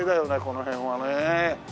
この辺はね。